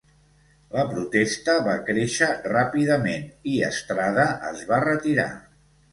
La protesta va créixer ràpidament i Estrada es va retirar.